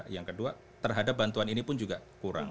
yang kedua terhadap bantuan ini pun juga kurang